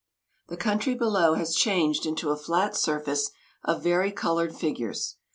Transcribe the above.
The country below has changed into a flat surface of varicoloured figures.